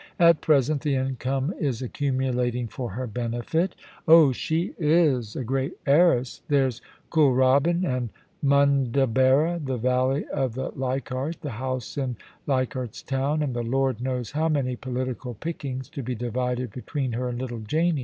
At present the income is accumulating for her benefit Oh, she is a great heiress. There's Kooralbyn and Mun dubbera, the valley of the Leichardt, the house in Leich ardt's Town, and the Lord knows how many political pick ings, to be divided between her and little Janie.